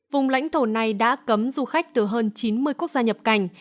vùng lãnh thổ này đã cấm du khách từ hơn chín mươi quốc gia nhập cảnh